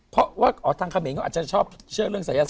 อ๋อทางคำเองเขาอาจจะชอบเชิงเรื่องสายศาสตร์